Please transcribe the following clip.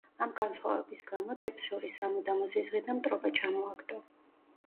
ამ განსხვავების გამო, დებს შორის სამუდამო ზიზღი და მტრობა ჩამოაგდო.